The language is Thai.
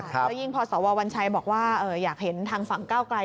แล้วยิ่งพอสววัญชัยบอกว่าอยากเห็นทางฝั่งก้าวไกล